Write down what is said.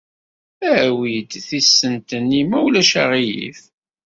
Awi-d tisent-nni, ma ulac aɣilif.